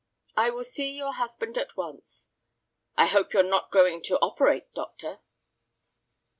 "I will see your husband at once." "I hope you're not going to operate, doctor."